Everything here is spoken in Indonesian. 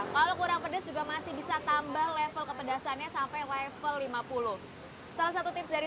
kalau kurang pedas juga masih bisa tambah level kepedasannya sampai level lima puluh salah satu tips dari